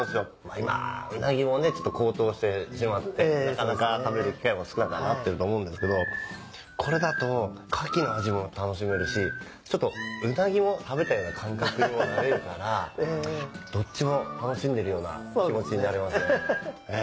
今ウナギも高騰してしまってなかなか食べる機会も少なくはなってると思うんですけどこれだと牡蠣の味も楽しめるしちょっとウナギも食べたような感覚にもなれるからどっちも楽しんでるような気持ちになれますね。